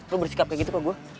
lo bersikap kayak gitu ke gue